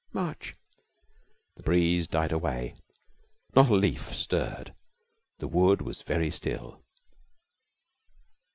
'Much.' The breeze died away. Not a leaf stirred. The wood was very still.